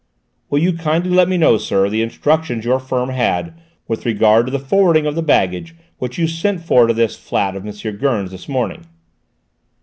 "Will you kindly let me know, sir, the instructions your firm had with regard to the forwarding of the baggage which you sent for to this flat of M. Gurn's this morning?"